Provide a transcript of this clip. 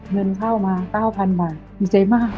เงินเข้ามา๙๐๐บาทดีใจมาก